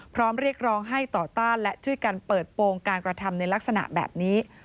เรียกร้องให้ต่อต้านและช่วยกันเปิดโปรงการกระทำในลักษณะแบบนี้